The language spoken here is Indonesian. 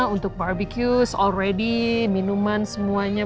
untuk bbq sudah siap minuman semuanya